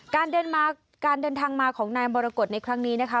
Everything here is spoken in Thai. การเดินทางมาของนายมรกฏในครั้งนี้นะคะ